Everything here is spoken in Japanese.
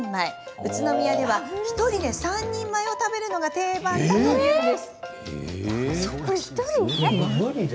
宇都宮では１人で３人前を食べるのが定番というんです。